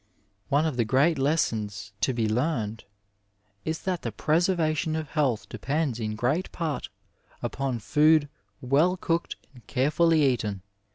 One of the great lessons to be learned is that the preservation of health depends in great part upon food well cooked and carefully eaten.